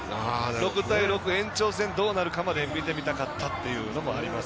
６対６、延長戦どうなるかまで見てみたかったというのもあります。